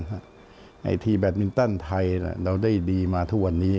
ไอทีแบตมินตันไทยเราได้ดีมาทุกวันนี้